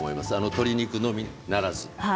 鶏肉のみならず。